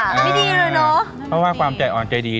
แม่บ้านประจันบัน